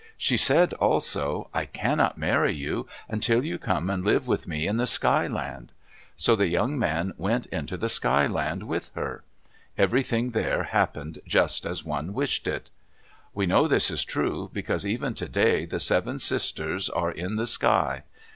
She said also, "I cannot marry you until you come and live with me in the Sky Land." So the young man went into the Sky Land with her. Everything there happened just as one wished it. We know this is true, because even today the seven sisters are in the sky.